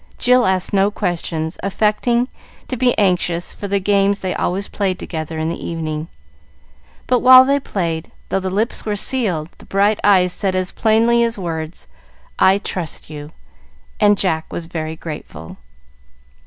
Jill asked no questions, affecting to be anxious for the games they always played together in the evening, but while they played, though the lips were sealed, the bright eyes said as plainly as words, "I trust you," and Jack was very grateful.